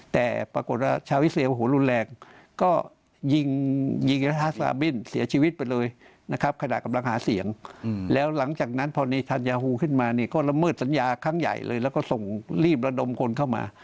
แต่ปรากฏว่าชาววิเซลโอ้โหรุนแรงก็ยิงยิงรัฐฮัสลาบินเสียชีวิตไปเลยนะครับขณะกำลังหาเสียงแล้วหลังจากนั้นพอในธัญญาฮูขึ้นมานี่ก็ละเมิดสัญญาครั้งใหญ่เลยแล้วก็ส่งรีบระดมคนเข้ามา